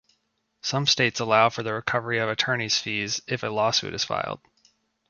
Some states allow for the recovery of attorney fees if a lawsuit is filed.